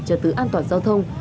cho tứ an toàn giao thông